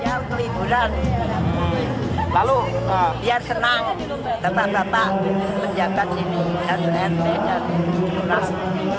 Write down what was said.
lalu biar senang bapak bapak menjaga ini